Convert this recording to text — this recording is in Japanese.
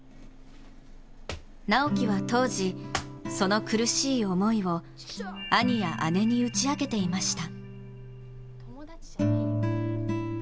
直喜は当時、その苦しい思いを兄や姉に打ち明けていました。